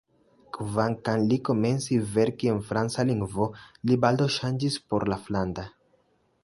Kvankam li komenci verki en franca lingvo, li baldaŭ ŝanĝis por la flandra.